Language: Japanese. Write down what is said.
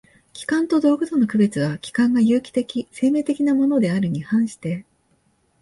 器官と道具との区別は、器官が有機的（生命的）なものであるに反して